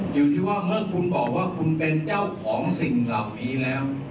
อยู่ที่ว่าเมื่อคุณบอกว่าคุณเป็นเจ้าของสิ่งเหล่านี้แล้ว